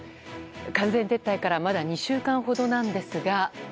完全撤退からまだ２週間ほどなんですが。